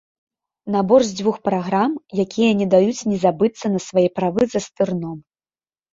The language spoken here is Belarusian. Набор з дзвюх праграм, якія не даюць не забыцца на свае правы за стырном.